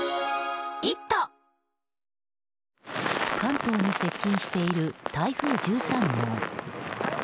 関東に接近している台風１３号。